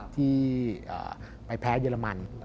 ที่ไปแพ้เยอรมัน